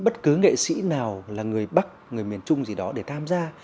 bất cứ nghệ sĩ nào là người bắc người miền trung gì đó để tham gia